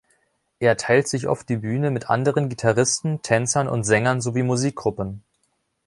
Er teilt sich oft die Bühne mit anderen Gitarristen, Tänzern und Sängern sowie Musikgruppen.